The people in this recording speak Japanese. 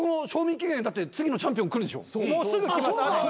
もうすぐきます。